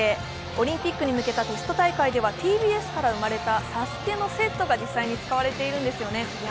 オリンピックに向けたテスト大会ではＴＢＳから生まれた「ＳＡＳＵＫＥ」のセットが実際に使われているんですよね。